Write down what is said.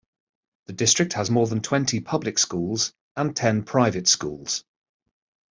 The district has more than twenty public schools, and ten private schools.